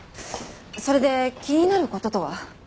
それで気になる事とは？